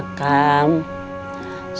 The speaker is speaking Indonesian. satu hari sebelum puasa